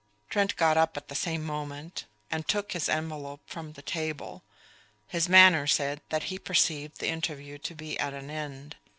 Trent got up at the same moment, and took his envelop from the table; his manner said that he perceived the interview to be at an end.